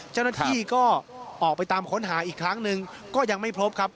เจ้าหน้าที่ก็ออกไปตามค้นหาอีกครั้งหนึ่งก็ยังไม่พบครับ